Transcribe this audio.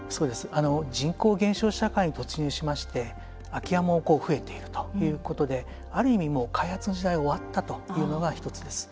人口減少社会に突入しまして、空き家も増えているということである意味、開発の時代が終わったというのが１つです。